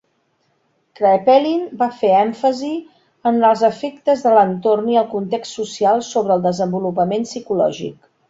Kraepelin va fer èmfasi en els efectes de l'entorn i el context social sobre el desenvolupament psicològic.